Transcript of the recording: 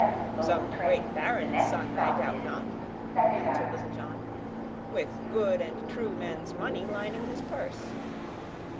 "Some great baron's son, I doubt not," answered Little John, "with good and true men's money lining his purse."